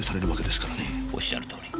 おっしゃる通り。